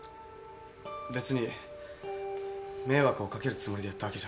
別に迷惑を掛けるつもりでやったわけじゃありません。